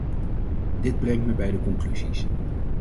Dit brengt me bij de conclusies.